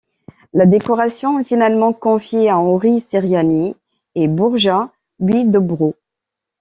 La décoration est finalement confiée à Henri Ciriani et Borja Huidobro.